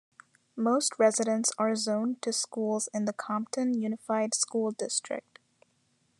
Most residents are zoned to schools in the Compton Unified School District.